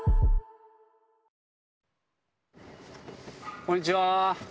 こんにちは。